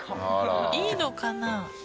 いいのかな？